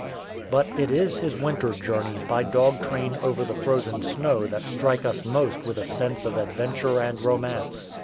But it is his winter journeys by dog train over the frozen snow that strike us most with a sense of adventure and romance.